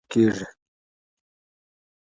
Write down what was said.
بادرنګ طبیعي پاکوونکی ګڼل کېږي.